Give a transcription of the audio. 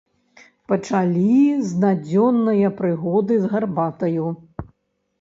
Пачалі з надзённае прыгоды з гарбатаю.